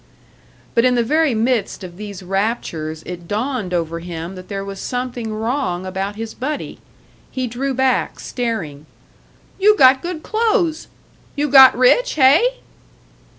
But in the very midst of these raptures it dawned over him that there was something wrong about his buddy. He drew back, staring. "You got good clothes! You got rich, hey?"